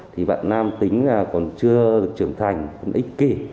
thì bạn nam tính còn chưa trưởng thành ích kể